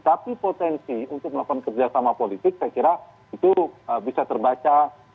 tapi potensi untuk melakukan kerjasama politik saya kira itu bisa terbaca